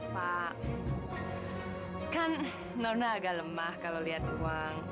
pak kan nona agak lemah kalau lihat uang